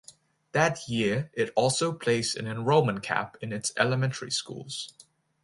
That year it also placed an enrollment cap in its elementary schools.